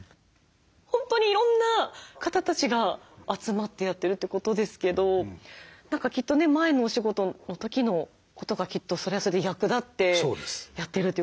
本当にいろんな方たちが集まってやってるってことですけど何かきっとね前のお仕事の時のことがきっとそれはそれで役立ってやっているということで。